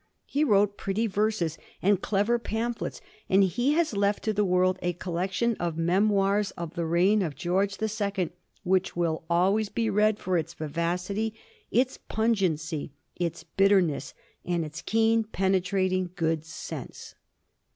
He wrote pretty verses and clever pamphlets, and he has left to the world a col lection of ^ Memoirs of the Reign of Greorge the Second ' which will always be read for its vivacity, its pun gency, its bitterness, and its keen penetrating good sense.